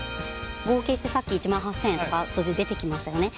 合計してさっき１万８，０００円とか数字出てきましたよね。